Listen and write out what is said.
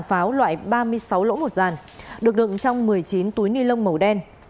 số pháo loại ba mươi sáu lỗ một giàn được đựng trong một mươi chín túi nilon màu đen